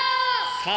さあ